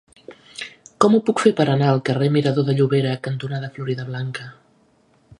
Com ho puc fer per anar al carrer Mirador de Llobera cantonada Floridablanca?